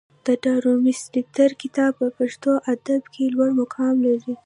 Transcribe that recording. د ډارمستتر کتاب په پښتو ادب کښي لوړ مقام لري.